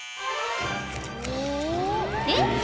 ［えっ？